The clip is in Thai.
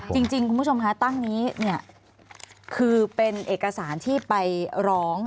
จริงคุณผู้ชมคะตั้งนี้เนี่ยคือเป็นเอกสารที่ไปร้อง